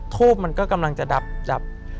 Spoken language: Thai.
ธูปมันกำลังจะดับ